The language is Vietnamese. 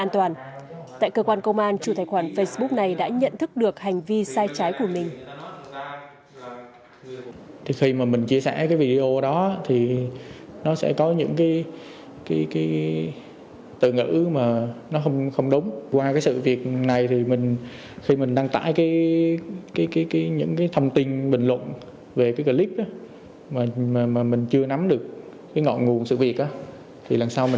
tại cơ quan công an chủ tài khoản facebook này đã nhận thức được hành vi sai trái của mình